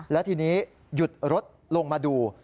และทีนี้หยุดรถลงมาดู